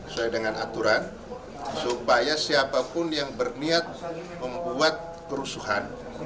sesuai dengan aturan supaya siapapun yang berniat membuat kerusuhan